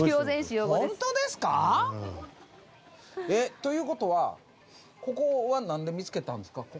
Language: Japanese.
えっという事はここはなんで見つけたんですか？